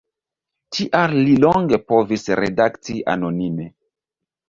Tial li longe povis redakti anonime.